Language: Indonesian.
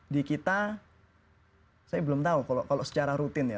di kita saya belum tahu kalau secara rutin ya